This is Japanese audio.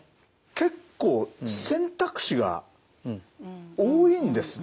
結構選択肢が多いんですね。